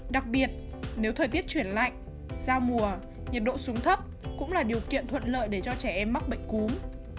đặc biệt nếu thời tiết chuyển lạnh giao mùa nhiệt độ xuống thấp cũng là điều kiện thuận lợi để cho trẻ em mắc bệnh cúm